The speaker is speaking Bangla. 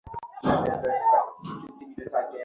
বর্তমান প্রজন্মকে উপদেশ করার মতো কী জানো?